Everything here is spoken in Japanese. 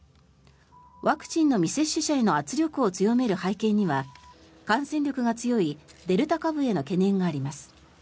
ワクチンの未接種者への圧力を強める背景には感染力が強いデルタ株への懸念があります。